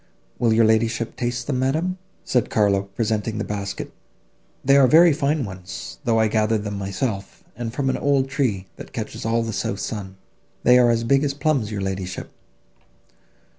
Will your ladyship taste them, madam?" said Carlo, presenting the basket, "they are very fine ones, though I gathered them myself, and from an old tree, that catches all the south sun; they are as big as plums, your ladyship."